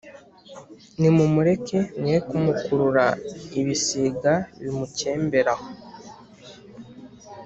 nimumureke mwe kumukurura ibisiga bimukembere aho.